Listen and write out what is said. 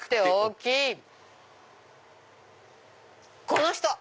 この人！